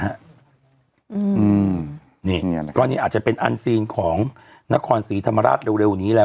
อืมนี่นี่ก็อาจจะเป็นของนครศรีธรรมราชเร็วนี้แล้ว